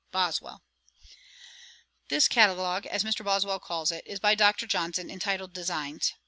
BOSWELL. This Catalogue, as Mr. Boswell calls it, is by Dr. Johnson intitled Designs.